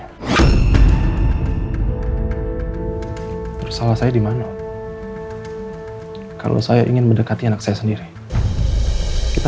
hai perusaha saya di mana kalau saya ingin mendekati anak saya sendiri kita